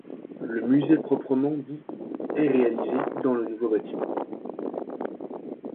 Le musée proprement dit est réalisé dans le nouveau bâtiment.